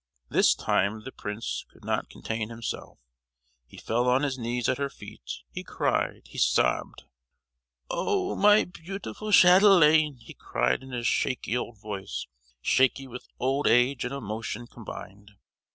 This time the prince could not contain himself; he fell on his knees at her feet, he cried, he sobbed: "Oh, my beautiful chatelaine!" he cried in his shaky old voice—shaky with old age and emotion combined.